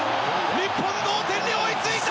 日本、同点に追いついた！